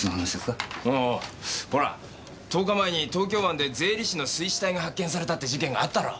ああほら１０日前に東京湾で税理士の水死体が発見されたって事件があったろう。